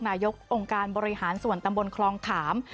นายกองค์การบริหารส่วนตำบลคลองขาม